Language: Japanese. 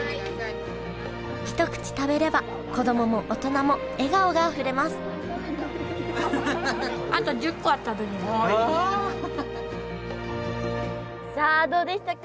一口食べれば子供も大人も笑顔があふれますさあどうでしたか？